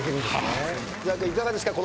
いかがですか？